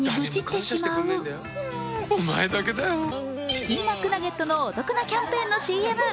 チキンマックナゲットのお得なキャンペーンのＣＭ。